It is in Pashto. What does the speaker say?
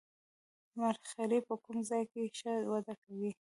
مرخیړي په کوم ځای کې ښه وده کوي